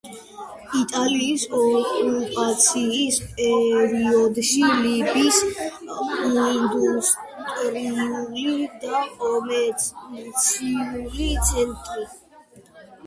იტალიის ოკუპაციის პერიოდში ლიბიის ინდუსტრიული და კომერციული ცენტრი.